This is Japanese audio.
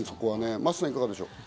真麻さん、いかがでしょう？